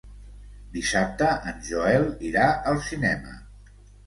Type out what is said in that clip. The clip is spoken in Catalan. Dissabte en Joel irà al cinema.